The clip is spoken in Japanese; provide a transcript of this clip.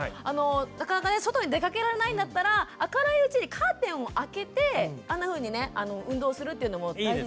なかなかね外に出かけられないんだったら明るいうちにカーテンを開けてあんなふうにね運動するっていうのも大事ですね。